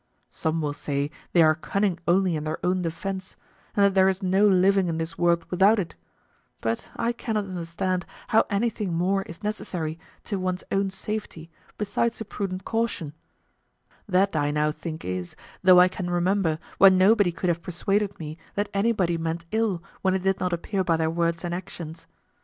Some will say they are cunning only in their own defence, and that there is no living in this world without it; but I cannot understand how anything more is necessary to one's own safety besides a prudent caution; that I now think is, though I can remember when nobody could have persuaded me that anybody meant ill when it did not appear by their words and actions.